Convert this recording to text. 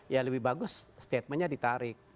ya lebih bagus statementnya ditarik